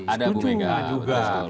ada bu mega